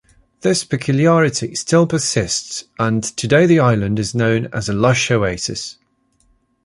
This peculiarity still persists, and today the island is known as a lush oasis.